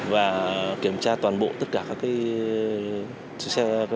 và kiểm tra toàn bộ tất cả các dịch vụ